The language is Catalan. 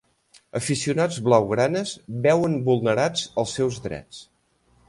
Aficionats blaugranes veuen vulnerats els seus drets